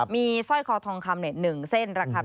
มีสร้อยคอทองคำ๑เส้นราคา